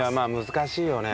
難しいよね。